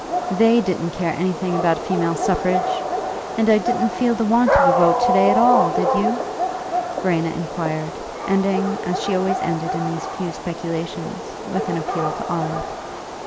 They didn't care anything about female suffrage! And I didn't feel the want of a vote to day at all, did you?" Verena inquired, ending, as she always ended in these few speculations, with an appeal to Olive.